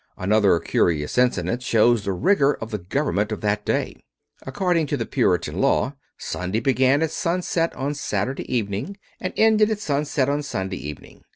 Another curious incident shows the rigor of the government of that day. According to the Puritan law, Sunday began at sunset on Saturday evening, and ended at sunset on Sunday evening.